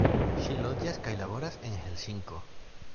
Ŝi loĝas kaj laboras en Helsinko.